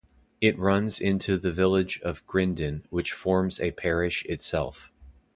It runs into the village of Grendon, which forms a parish itself.